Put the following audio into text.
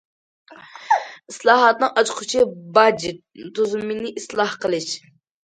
ئىسلاھاتنىڭ ئاچقۇچى باج تۈزۈمىنى ئىسلاھ قىلىش.